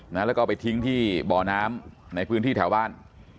แล้วก็เอาไปทิ้งที่บ่อน้ำในพื้นที่แถวบ้าน